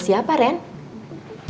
udah ke kamar dulu